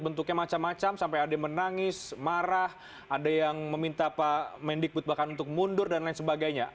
bentuknya macam macam sampai ada yang menangis marah ada yang meminta pak mendikbud bahkan untuk mundur dan lain sebagainya